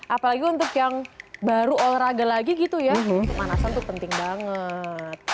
apalagi untuk yang baru olahraga lagi gitu ya pemanasan tuh penting banget